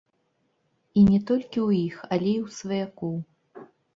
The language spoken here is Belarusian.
І не толькі ў іх, але і ў сваякоў.